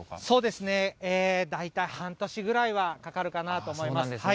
そうですね、大体半年ぐらいはかかるかなと思います。